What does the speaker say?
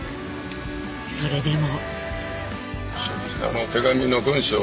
それでも。